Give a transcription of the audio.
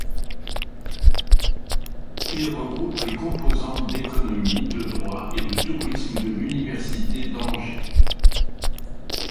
Il regroupe les composantes d'économie, de droit et de tourisme de l'université d'Angers.